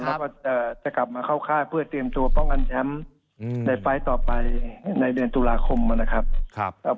แล้วก็จะกลับมาเข้าค่ายเพื่อเตรียมตัวป้องกันแชมป์ในไฟล์ต่อไปในเดือนตุลาคมนะครับ